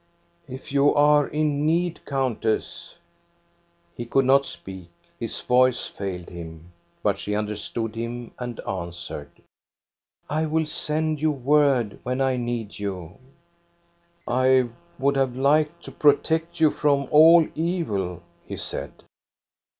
" If you are in need, countess —" He could not speak, his voice failed him, but she understood him and answered :—" I will send you word when I need you." " I would have liked to protect you from all evil/' he said.